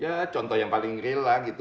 ya contoh yang paling real lah gitu